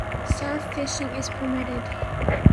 Surf fishing is permitted.